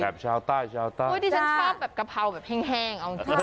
แบบชาวใต้ชาวใต้จ้าอุ๊ยดิฉันชอบแบบกะเพราแห้งเอาจริง